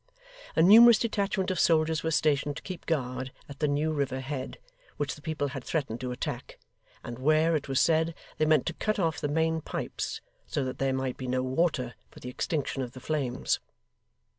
A numerous detachment of soldiers were stationed to keep guard at the New River Head, which the people had threatened to attack, and where, it was said, they meant to cut off the main pipes, so that there might be no water for the extinction of the flames.